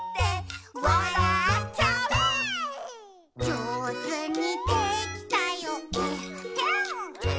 「じょうずにできたよえっへん」